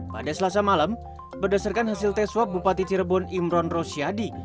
pada selasa malam berdasarkan hasil tes swab bupati cirebon imron rosyadi